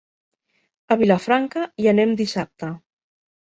A Vilafranca hi anem dissabte.